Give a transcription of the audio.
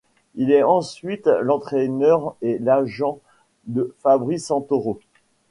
Il est ensuite l'entraîneur et l'agent de Fabrice Santoro.